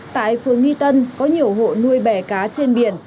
tại phường nghi tân có nhiều hộ nuôi bè cá trên biển